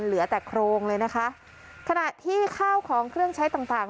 เหลือแต่โครงเลยนะคะขณะที่ข้าวของเครื่องใช้ต่างต่าง